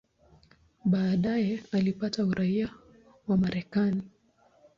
Baadaye alipata uraia wa Marekani.